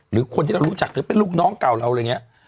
หรือคนที่เรารู้จักหรือเป็นลูกน้องเก่าเรา